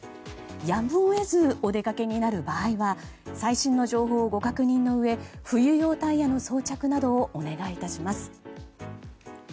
やむを得ずお出かけになる場合は最新の情報をご確認のうえ冬用タイヤの装着などをお願いいたします。